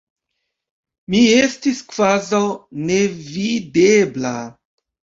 Mi estis kvazaŭ nevidebla.